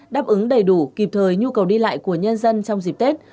đáp ứng đầy đủ kịp thời nhu cầu đi lại của nhân dân trong dịp tết